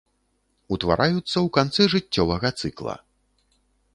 Утвараюцца ў канцы жыццёвага цыкла.